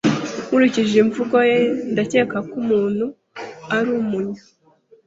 Nkurikije imvugo ye, ndakeka ko umuntu ari Umunya